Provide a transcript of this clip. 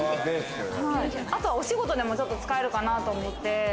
あとはお仕事でも使えるかなと思って。